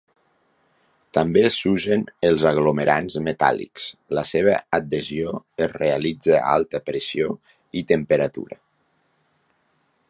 També s'usen els aglomerants metàl·lics, la seva adhesió es realitza a alta pressió i temperatura.